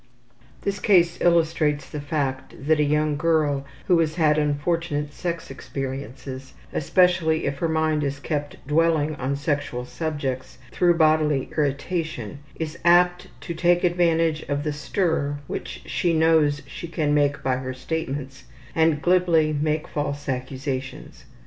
This case illustrates the fact that a young girl, who has had unfortunate sex experiences, especially if her mind is kept dwelling on sexual subjects through bodily irritation, is apt to take advantage of the stir which she knows she can make by her statements, and glibly make false accusations.